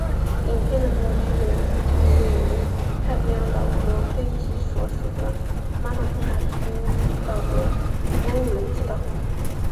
影片的主要取景地位于太平洋岛国斐济所属的马马努卡群岛的摩努雷基岛。